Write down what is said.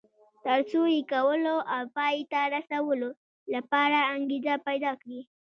تر څو یې کولو او پای ته رسولو لپاره انګېزه پيدا کړي.